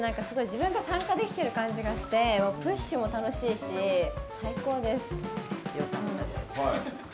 自分が参加できている感じがしてプッシュも楽しいし最高です。